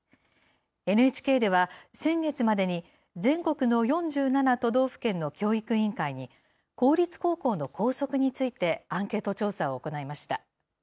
ＮＨＫでは、先月までに全国の４７都道府県の教育委員会に、公立高校の校則についてアンケート調査を行いました。